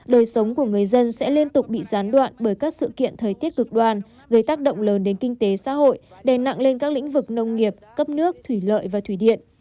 đời sống của người dân sẽ liên tục bị gián đoạn bởi các sự kiện thời tiết cực đoan gây tác động lớn đến kinh tế xã hội đè nặng lên các lĩnh vực nông nghiệp cấp nước thủy lợi và thủy điện